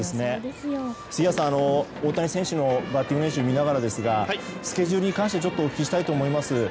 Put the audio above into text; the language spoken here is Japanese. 杉谷さん、大谷選手のバッティング練習を見ながらですがスケジュールに関してお聞きしたいと思います。